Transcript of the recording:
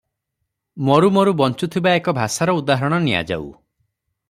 ମରୁ ମରୁ ବଞ୍ଚୁଥିବା ଏକ ଭାଷାର ଉଦାହରଣ ନିଆଯାଉ ।